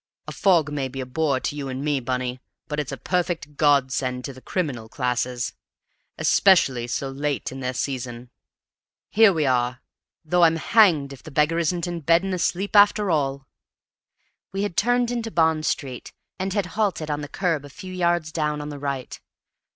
A fog may be a bore to you and me, Bunny, but it's a perfect godsend to the criminal classes, especially so late in their season. Here we are, though and I'm hanged if the beggar isn't in bed and asleep after all!" We had turned into Bond Street, and had halted on the curb a few yards down on the right.